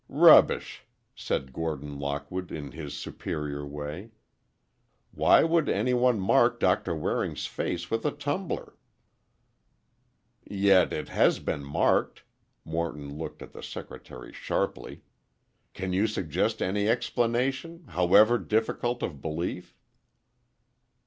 "Rubbish!" said Gordon Lockwood, in his superior way. "Why would any one mark Doctor Waring's face with a tumbler?" "Yet it has been marked," Morton looked at the secretary sharply. "Can you suggest any explanation—however difficult of belief?"